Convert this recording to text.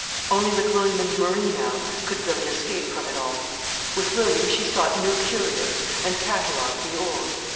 Only with William and Marie, now, could Billy escape from it all. With William she sought new curios and catalogued the old.